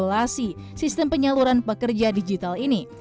regulasi sistem penyaluran pekerja digital ini